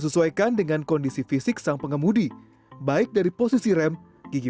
persenelingnya di tangan